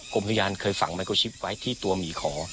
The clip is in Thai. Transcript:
กรมพยานเคยฝังไมโครชิปไว้ที่ตัวหมีขอ